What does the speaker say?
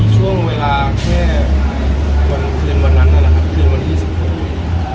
ช่วงเวลาแค่วันคืนวันนั้นนะครับคืนวันที่สุด